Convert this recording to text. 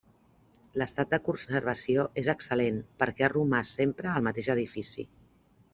L'estat de conservació és excel·lent perquè ha romàs sempre al mateix edifici.